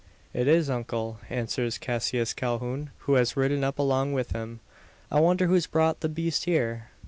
"It is, uncle," answers Cassius Calhoun, who has ridden up along with him. "I wonder who's brought the beast here?"